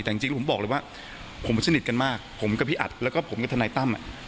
แต่จริงแล้วผมบอกเลยว่าผมสนิทกันมากผมกับพี่อัดแล้วก็ผมกับทนายตั้ม